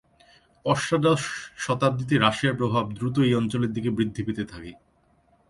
অষ্টাদশ শতাব্দিতে, রাশিয়ার প্রভাব দ্রুত এই অঞ্চলের দিকে বৃদ্ধি পেতে থাকে।